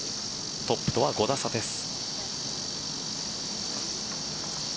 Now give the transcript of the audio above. トップとは５打差です。